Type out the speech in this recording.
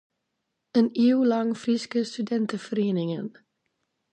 In iuw lang Fryske studinteferieningen.